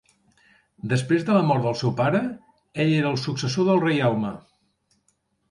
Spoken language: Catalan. Després de la mort del seu pare, ell era el successor del reialme.